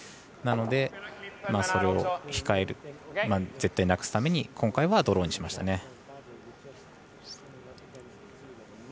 なので、それを絶対なくすために今回はドローにしましたね。